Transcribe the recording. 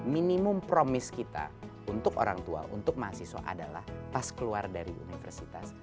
minimum promis kita untuk orang tua untuk mahasiswa adalah pas keluar dari universitas